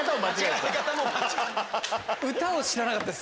歌を知らなかったです